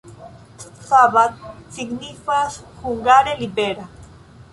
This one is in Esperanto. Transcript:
Szabad signifas hungare: libera.